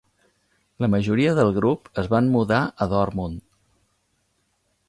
La majoria del grup es van mudar a Dortmund.